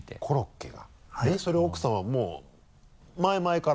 でそれ奥さまはもう前々から？